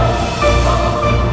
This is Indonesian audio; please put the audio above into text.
tidak akan lalu